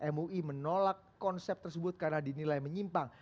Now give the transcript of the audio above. mui menolak konsep tersebut karena dinilai menyimpang